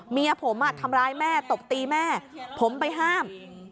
เมียผมทำร้ายแม่ตบตีแม่ผมไปห้าม